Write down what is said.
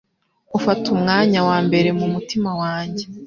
ufata umwanya wa mbere mu mutima wanjye